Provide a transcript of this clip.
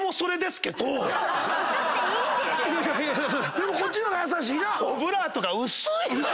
でもこっちの方が優しいな。